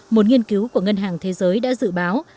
một nghiên cứu của ngân hàng thế giới đã dự báo